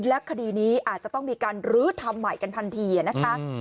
และคดีนี้อาจจะต้องมีการลื้อทำใหม่กันทันทีนะคะ